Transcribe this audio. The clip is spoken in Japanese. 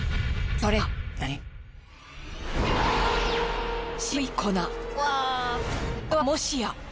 これはもしや。